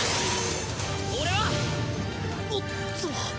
俺はおっと。